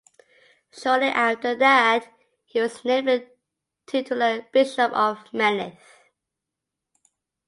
Shortly after that, he was named the titular bishop of Mennith.